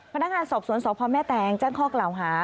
พนักงานสอบสวนสพแม่แตงแจ้งข้อกล่าวหา